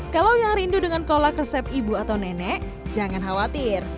kalau yang rindu dengan kolak resep ibu atau nenek jangan khawatir